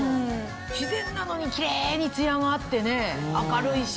自然なのにキレイにツヤがあってね明るいし。